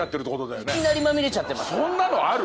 そんなのある？